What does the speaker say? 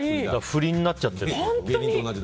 振りになっちゃってる。